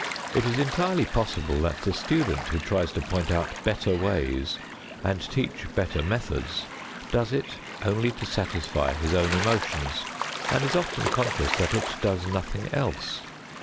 It is entirely possible that the student who tries to point out better ways and teach better methods does it only to satisfy his own emotions and is often conscious that it does nothing else.